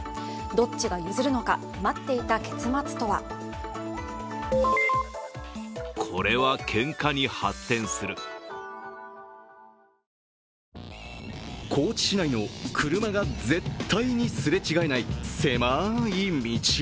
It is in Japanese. どっちが譲るのか待っていた結末とは高知市内の車が絶対にすれ違えない狭い道。